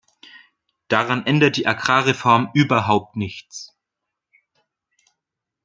Daran ändert die Agrarreform überhaupt nichts.